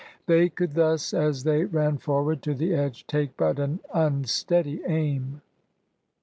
They could thus as they ran forward to the edge take but an unsteady aim.